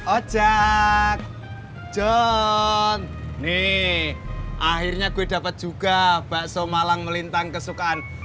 ocak jon nih akhirnya gue dapet juga bakso malang melintang kesukaan